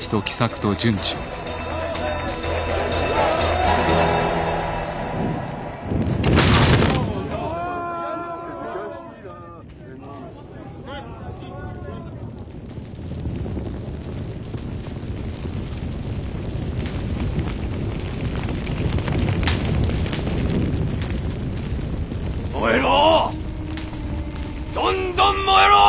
どんどん燃えろ！